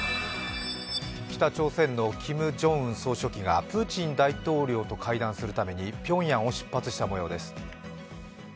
北朝鮮のキム・ジョンウン総書記がプーチン大統領と会談するためにピョンヤンを出発した模様です。